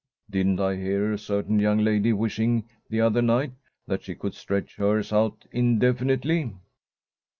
Didn't I hear a certain young lady wishing the other night that she could stretch hers out indefinitely?"